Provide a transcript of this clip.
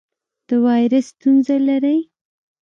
د وایرس ستونزه لرئ؟